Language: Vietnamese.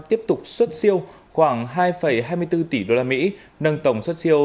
tiếp tục xuất siêu khoảng hai hai mươi bốn tỷ đô la mỹ nâng tổng xuất siêu